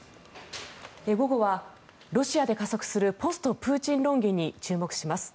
午後はロシアで加速するポストプーチン論議に注目します。